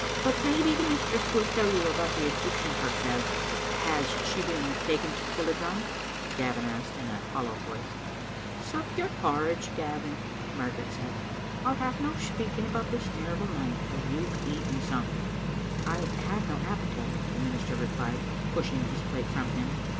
" But maybe the mistress will tell you about the Egyptian hersel." " Has she been taken to Tilliedrum?" Gavin asked in a hollow voic^. Digitized by VjOOQ IC tSbc TRnoman Con6f^ete^ fit Bl>0ence* 83 " Sup up your porridge, Gavin, " Margaret said. "I'll have no speaking about this terrible night till you've eaten something. " "I have no appetite," the minister replied, pushing his plate from him.